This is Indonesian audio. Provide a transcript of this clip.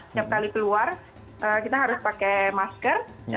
setiap kali keluar kita harus pakai masker